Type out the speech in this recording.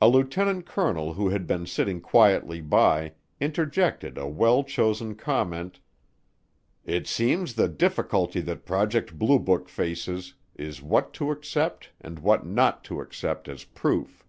A lieutenant colonel who had been sitting quietly by interjected a well chosen comment. "It seems the difficulty that Project Blue Book faces is what to accept and what not to accept as proof."